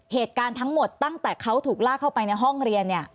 เหตุการณ์ทั้งหมดตั้งแต่เขาถูกลากเข้าไปในห้องเรียนเนี่ย